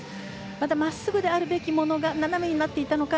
また、真っすぐであるべきものが斜めになっていたのか